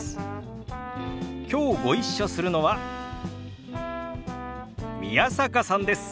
きょうご一緒するのは宮坂さんです。